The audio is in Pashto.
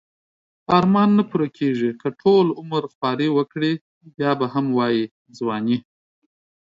ارمان نه پوره کیږی که ټول عمر خواری وکړی بیا به هم وایی ځوانی